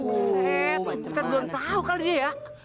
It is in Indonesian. buset seputar belum tahu kali dia ya